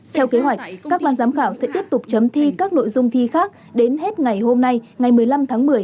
theo kế hoạch các ban giám khảo sẽ tiếp tục chấm thi các nội dung thi khác đến hết ngày hôm nay ngày một mươi năm tháng một mươi